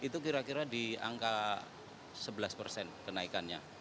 sebenarnya di angka sebelas persen kenaikannya